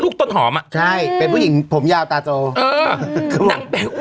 ลูกต้นหอมอ่ะใช่เป็นผู้หญิงผมยาวตาโจเออนั่งเป็นผู้